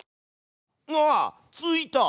あっついた！